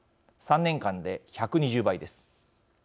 ３年間で１２０倍です。